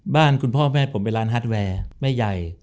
บ้านคุณพ่อแม่ผมเป็นร้านฮาร์ดแวร์แม่ใหญ่